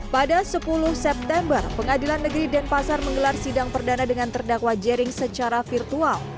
pada sepuluh september pengadilan negeri denpasar menggelar sidang perdana dengan terdakwa jering secara virtual